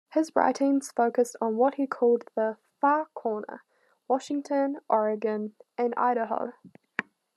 His writings focused on what he called the "Far Corner": Washington, Oregon, and Idaho.